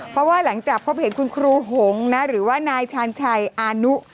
เพราะว่าหลังจากพบเห็นคุณครูหงษ์นะหรือว่านายชาญชัยอานุ